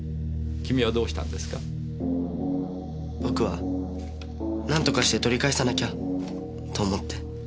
僕はなんとかして取り返さなきゃと思って。